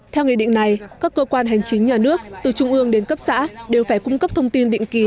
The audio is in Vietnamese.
theo nghị định này các cơ quan hành chính nhà nước từ trung ương đến cấp xã đều phải cung cấp thông tin định kỳ